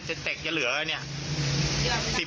เจ็ดเจ็กจะเหลืออะไรนี้